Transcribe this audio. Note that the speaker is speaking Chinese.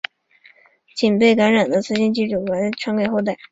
仅由被感染的雌性宿主把沃尔巴克氏体传播给后代。